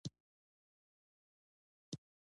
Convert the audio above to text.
وګړي د افغان نجونو د پرمختګ لپاره ښه فرصتونه برابروي.